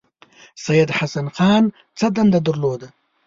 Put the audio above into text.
سید حسن خان څه دنده درلوده.